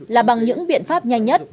là bằng những biện pháp nhanh nhất